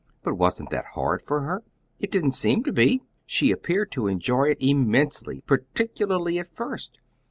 "But wasn't that hard for her?" "It didn't seem to be. She appeared to enjoy it immensely, particularly at first.